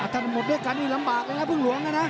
ถ้าหมดด้วยกันนี่ลำบากเลยนะพึ่งหลวงนะ